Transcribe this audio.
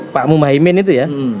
pak mumahimin itu ya